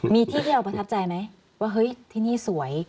มีที่ที่เราประทับใจไหมว่าเฮ้ยที่นี่สวย